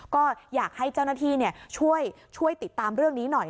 ก็อยากให้เจ้าหน้าที่ช่วยติดตามเรื่องนี้หน่อย